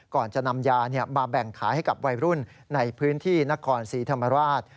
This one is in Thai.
ก่อนจะนำยามาแบ่งขายให้กับวัยรุ่นในพื้นที่นครศรีธรรมราช